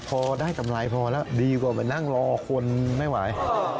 พอได้กำไรพอแล้วดีกว่าไปนั่งรอคนไม่ไหว